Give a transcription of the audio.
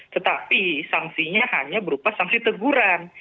tetapi sanksinya hanya berupa sanksi teguran